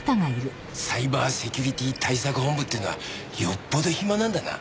サイバーセキュリティー対策本部っていうのはよっぽどヒマなんだな。